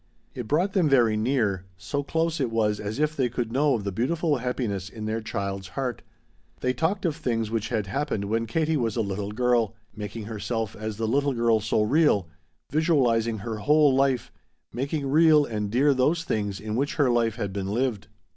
It brought them very near, so close it was as if they could know of the beautiful happiness in their child's heart. They talked of things which had happened when Katie was a little girl, making herself as the little girl so real, visualizing her whole life, making real and dear those things in which her life had been lived.